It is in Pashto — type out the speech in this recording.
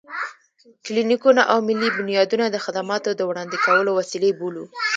کلينيکونه او ملي بنيادونه د خدماتو د وړاندې کولو وسيلې بولو.